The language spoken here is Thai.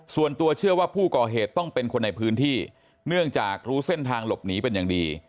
ส่วนตัวเชื่อว่าผู้ก่อเหตุต้องเป็นคนในพื้นที่เนื่องจากรู้เส้นทางหลบหนีเป็นอย่างดี